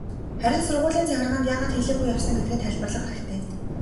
Харин сургуулийн захиргаанд яагаад хэлээгүй явсан гэдгээ тайлбарлах хэрэгтэй.